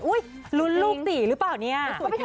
อุ๊ยลุลลุกติ๋หรือเปล่าเนี่ย